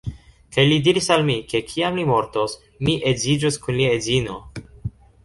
Kaj li diris al mi, ke kiam li mortos, mi edziĝos kun lia edzino.